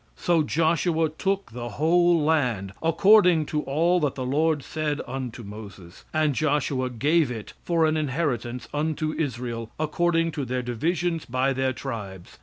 "So Joshua took the whole land, according to all that the Lord said unto Moses; and Joshua gave it for an inheritance unto Israel according to their divisions by their tribes.